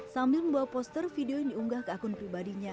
sambil membawa poster video yang diunggah ke akun pribadinya